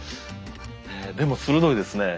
でも鋭いですね。